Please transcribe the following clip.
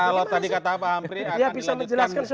kalau tadi kata pak ampri akan dilanjutkan